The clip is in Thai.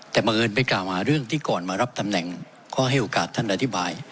แต่บังเอิญไปกล่าวหาเรื่องที่ก่อนมารับตำแหน่งก็ให้โอกาสท่านอธิบาย